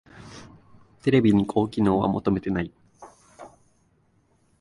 テレビに高機能は求めてない